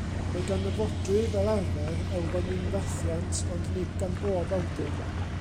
Mae gan y fodrwy, fel arfer, elfen unfathiant, ond nid gan bob awdur.